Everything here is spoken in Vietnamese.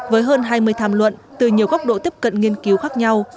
với hơn hai mươi tham luận từ nhiều góc độ tiếp cận nghiên cứu khác nhau